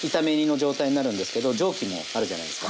蒸気もあるじゃないですか。